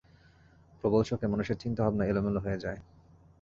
প্রবল শোকে মানুষের চিন্তাভাবনা এলোমেলো হয়ে যায়।